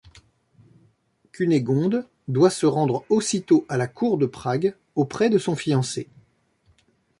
Cunégonde doit se rendre aussitôt à la cour de Prague auprès de son fiancé.